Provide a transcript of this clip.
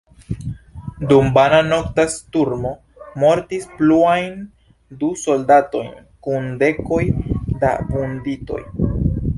Dum vana nokta sturmo mortis pluajn du soldatojn kun dekoj da vunditoj.